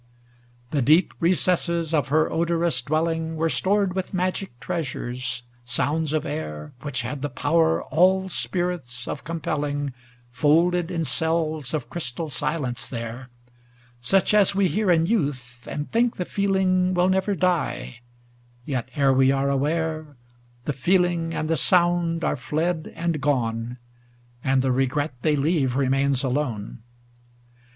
XIV The deep recesses of her odorous dwelling Were stored with magic treasures ŌĆö ŌĆó sounds of air THE WITCH OF ATLAS 275 Which had the power all spirits of com pelling, Folded in cells of crystal silence there ; Such as we hear in youth, and think the feeling Will never die ŌĆö yet ere we are aware, The feeling and the sound are fled and gone, And the regret they leave remains alone.